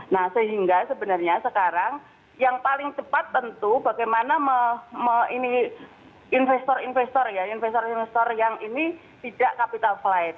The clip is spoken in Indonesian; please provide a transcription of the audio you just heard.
nah sehingga sebenarnya sekarang yang paling cepat tentu bagaimana investor investor yang ini tidak capital flight